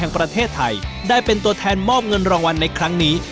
เป็นตัวแทนมอบเงินรองวัลในครั้งนี้